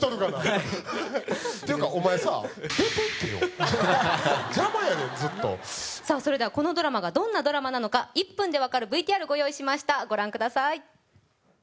ていうかお前さ邪魔やねんずっとそれではこのドラマがどんなドラマなのか１分でわかるＶＴＲご用意しましたご覧ください